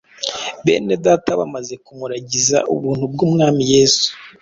bene Data bamaze kumuragiza ubuntu bw’Umwami Yesu